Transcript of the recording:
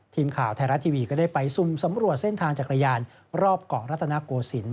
ทีมข่าวไทยรัฐทีวีก็ได้ไปสุ่มสำรวจเส้นทางจักรยานรอบเกาะรัตนโกศิลป